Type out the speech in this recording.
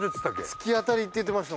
突き当たりって言ってました。